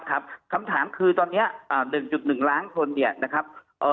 ครับคำถามคือตอนนี้๑๑ล้านคนนะครับ